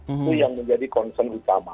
itu yang menjadi concern utama